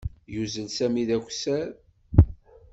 Yuzzel Sami d akessar.